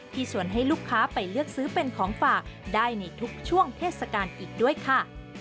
ชวนให้ลูกค้าไปเลือกซื้อเป็นของฝากได้ในทุกช่วงเทศกาลอีกด้วยค่ะ